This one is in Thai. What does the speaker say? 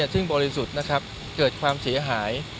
ซึ่งบริสุทธิ์นะครับเกิดความเสียหาย